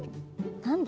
何だ？